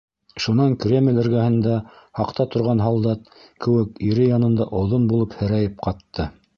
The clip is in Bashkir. Шунан Кремль эргәһендә һаҡта торған һалдат кеүек ире янында оҙон булып һерәйеп ҡатты.